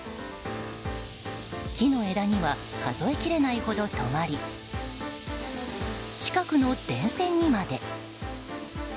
木の枝には数えきれないほど止まり近くの電線にまで。